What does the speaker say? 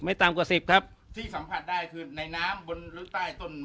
ต่ำกว่าสิบครับที่สัมผัสได้คือในน้ำบนหรือใต้ต้น